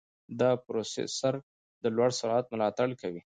دا پروسېسر د لوړ سرعت ملاتړ کوي.